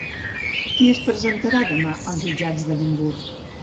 Qui es presentarà demà als jutjats d'Edimburg?